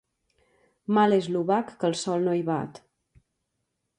Mal és l'obac que el sol no hi bat.